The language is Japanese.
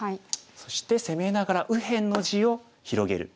そして攻めながら右辺の地を広げる。